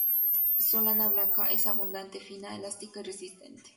Su lana blanca es abundante, fina, elástica y resistente.